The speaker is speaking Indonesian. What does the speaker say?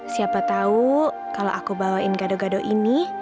siapa tahu kalau aku bawain gado gado ini